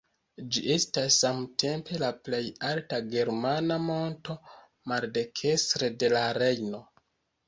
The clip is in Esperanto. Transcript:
Ĝi estas samtempe la plej alta germana monto maldekstre de la Rejno.